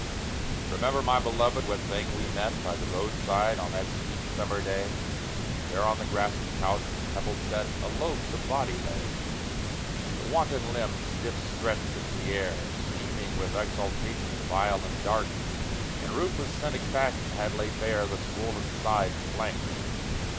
Remember, my Beloved, what thing we met By the roadside on that sweet summer day; There on a grassy couch with pebbles set, A loathsome body lay. The wanton limbs stiff stretched into the air, Steaming with exhalations vile and dank, In ruthless cynic fashion had laid bare The swollen side and flank.